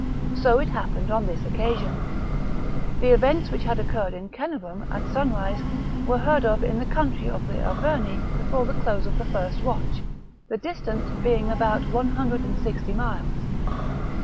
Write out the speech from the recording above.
^ So it happened on this occasion. The events which had occurred at Cenabum at sunrise were heard of in the country of the Arverni before the close of the first watch, the distance being about one hundred and sixty miles.